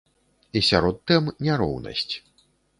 І сярод тэм няроўнасць.